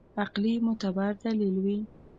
عقلي معتبر دلیل وي.